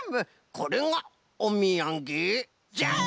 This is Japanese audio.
これがおみやげじゃい！